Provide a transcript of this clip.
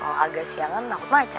kalo agak siangan nangkut mah aja